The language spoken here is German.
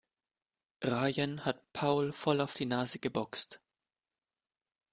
Rayen hat Paul voll auf die Nase geboxt.